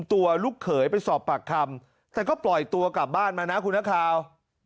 แต่ก็ปล่อยตัวกลับบ้านมานะคุณนักข่าว